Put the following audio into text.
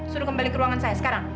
suruh kembali ke ruangan saya sekarang